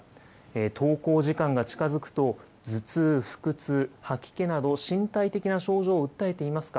登校時間が近づくと、頭痛、腹痛、吐き気など身体的な症状を訴えていますか。